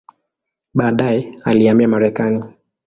Baadaye alihamia Marekani.